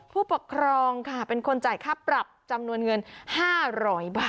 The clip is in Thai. ผู้ปกครองค่ะเป็นคนจ่ายค่าปรับจำนวนเงิน๕๐๐บาท